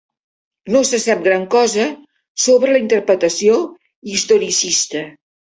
No se sap gran cosa sobre la interpretació historicista.